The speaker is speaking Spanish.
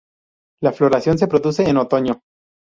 La floración se produce en otoño.